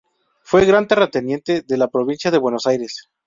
Fue gran terrateniente de la provincia de Buenos Aires.